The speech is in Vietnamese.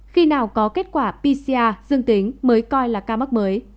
khi nào có kết quả pcr dương tính mới coi là ca mắc mới